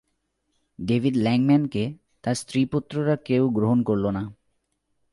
David ল্যাংম্যানকে তাঁর স্ত্রী-পুত্ররা কেউ গ্রহণ করল না।